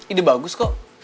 ide bagus kok